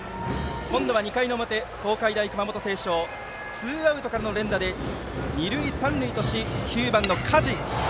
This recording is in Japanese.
今度は２回の表、東海大熊本星翔ツーアウトからの連打で二塁三塁とし９番の加地。